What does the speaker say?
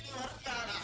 ini warga mah